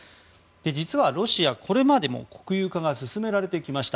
実はロシアは、これまでも国有化が進められてきました。